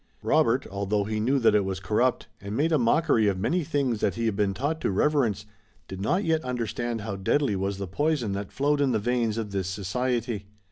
Robert, although he knew that it was corrupt and made a mockery of many things that he had been taught to reverence, did not yet understand how deadly was the poison that flowed in the veins of this society.